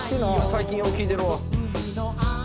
「最近よう聴いてるわ」